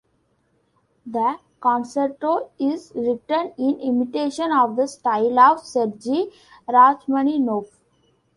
The concerto is written in imitation of the style of Sergei Rachmaninoff.